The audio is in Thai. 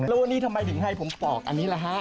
แล้ววันนี้ทำไมถึงให้ผมปอกอันนี้ล่ะฮะ